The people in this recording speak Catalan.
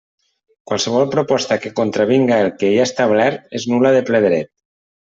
Qualsevol proposta que contravinga el que hi ha establert és nul·la de ple dret.